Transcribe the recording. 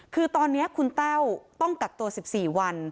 คือตอนนี้คุณแต้วต้องกักตัว๑๔วัน